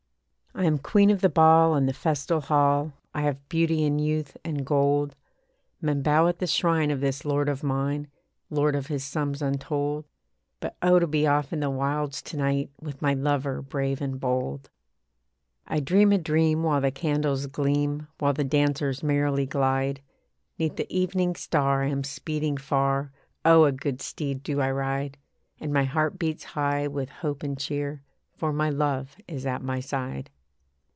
I am queen of the ball and the festal hall; I have beauty and youth and gold, Men bow at the shrine of this lord of mine Lord of his sums untold. But oh! to be off in the wilds to night With my lover brave and bold. I dream a dream while the candles gleam, While the dancers merrily glide. Neath the evening star I am speeding far, Oh! a good steed do I ride; And my heart beats high with hope and cheer, For my love is at my side.